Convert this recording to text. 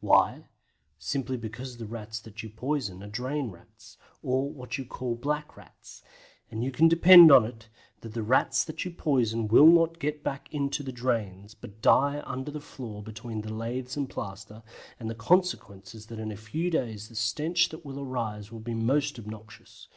Why? Simply because the Rats that you poison are Drain Rats, or what you call Black Rats, and you can depend upon it that the Rats that you poison will not get back into the drains, but die under the floor between the laths and plaster, and the consequence is that in a few days the stench that will arise will be most obnoxious.